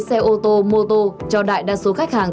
xe ô tô mô tô cho đại đa số khách hàng